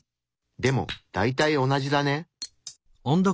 でも大体同じだね。